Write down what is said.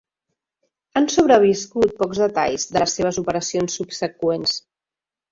Han sobreviscut pocs detalls de les seves operacions subseqüents.